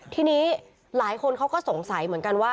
ทีนี้หลายคนเขาก็สงสัยเหมือนกันว่า